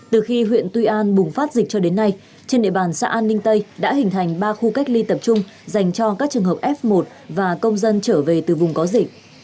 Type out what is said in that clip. từ khi huyện tuy an bùng phát dịch cho đến nay trên địa bàn xã an ninh tây đã hình thành ba khu cách ly tập trung dành cho các trường hợp f một và công dân trở về từ vùng có dịch